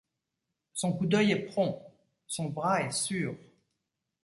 Son coup d’œil est prompt, son bras est sûr.